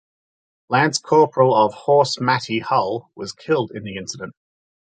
Lance Corporal of Horse Matty Hull was killed in the incident.